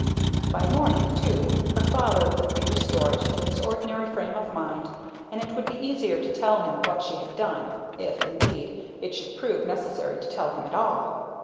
By morning, too, her father would be restored to his ordinary frame of mind, and it would be easier to tell him what she had done, if, indeed, it should prove necessary to tell him at all.